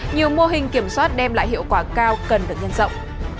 nhiều mô hình kiểm soát đem lại hiệu quả cao cần được nhân rộng